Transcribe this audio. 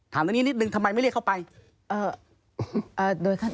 ถามอันนี้นิดนึงทำไมไม่เรียกเข้าไป